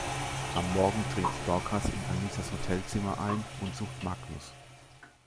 Am Morgen dringt Dorcas in Anitas Hotelzimmer ein und sucht Magnus.